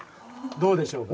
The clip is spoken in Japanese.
どうでしょうか？